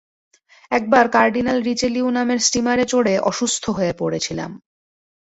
একবার Cardinal Richelieu নামের স্টিমারে চড়ে অসুস্থ হয়ে পড়েছিলাম।